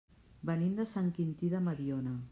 Venim de Sant Quintí de Mediona.